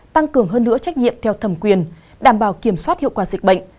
tăng cường hơn nữa trách nhiệm theo thẩm quyền đảm bảo kiểm soát hiệu quả dịch bệnh